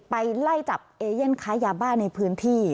ไปไล่จับเอเย่นค้ายาบ้าในพื้นที่